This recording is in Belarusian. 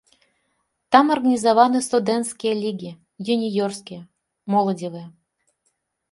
Там арганізаваны студэнцкія лігі, юніёрскія, моладзевыя.